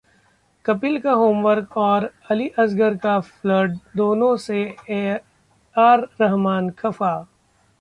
कपिल का होमवर्क और अली असगर का फर्ल्ट, दोनों से एआर रहमान खफा